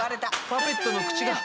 パペットの口が。